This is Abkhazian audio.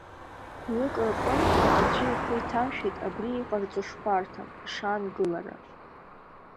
Хә-ҩык рыҟнытә аӡәы ихы иҭамшәеит абри иҟарҵо шхәарҭам, ишаангылара.